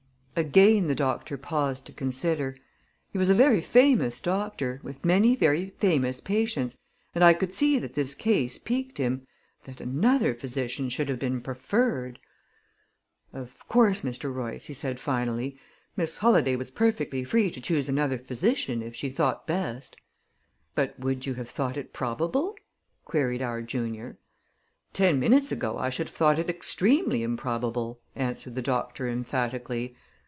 Again the doctor paused to consider. He was a very famous doctor, with many very famous patients, and I could see that this case piqued him that another physician should have been preferred! "Of course, Mr. Royce," he said finally, "Miss Holladay was perfectly free to choose another physician, if she thought best." "But would you have thought it probable?" queried our junior. "Ten minutes ago, I should have thought it extremely improbable," answered the doctor emphatically.